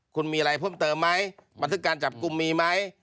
คุณมีอะไรเพิ่มเติมไหมบันทึกการจับกลุ่มมีไหม